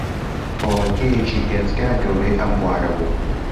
کۆڵەکەیەکی ئێجگار گەورەی ئەم بوارە بوو